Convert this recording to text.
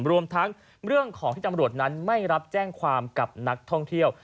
รวมทั้งเรื่องของที่ตำรวจนั้นไม่รับแจ้งความกับนักท่องเที่ยว